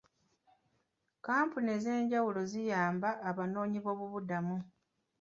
Kkampuni ez'enjawulo ziyamba abanoonyiboobubudamu.